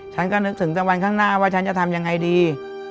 ฉันก็นึกถึงแต่วันข้างหน้าว่าฉันจะทำยังไงดี